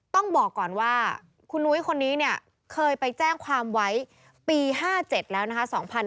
ต้องบอกก่อนว่าคุณนุ้ยคนนี้เนี่ยเคยไปแจ้งความไว้ปี๕๗แล้วนะคะ